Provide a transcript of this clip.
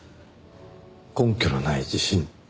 「根拠のない自信」って。